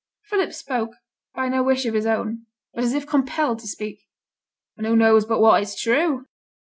Philip spoke, by no wish of his own, but as if compelled to speak. 'An' who knows but what it's true?'